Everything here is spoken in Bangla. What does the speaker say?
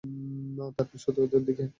তার পিঠ শত্রুদের দিকে।